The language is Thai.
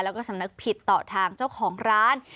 แล้วก็สำนึกผิดต่อทางเจ้าของร้าน